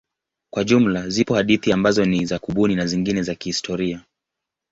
Kwa jumla zipo hadithi ambazo ni za kubuni na zingine za kihistoria.